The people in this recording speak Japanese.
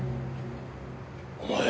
お前。